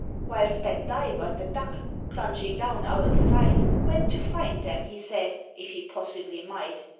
Whilst that diver, the Duck, plunging down out of sight, Went to find them, he said, if he possibly might.